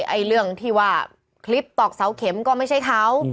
ไอ้เรื่องที่ว่าคลิปตอกเสาเข็มก็ไม่ใช่เขา